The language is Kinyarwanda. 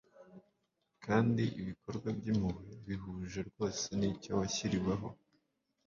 kandi ibikorwa by’impuhwe bihuje rwose n’icyo washyiriweho.